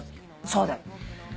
「そうだよ」